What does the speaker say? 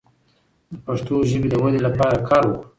د پښتو ژبې د ودې لپاره کار وکړو.